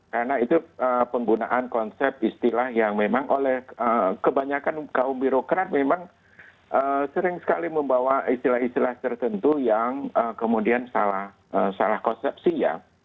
karena itu penggunaan konsep istilah yang memang oleh kebanyakan kaum birokrat memang sering sekali membawa istilah istilah tertentu yang kemudian salah konsepsi ya